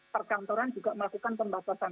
perkantoran juga melakukan pembahasan